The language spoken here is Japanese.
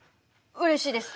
うれしいです。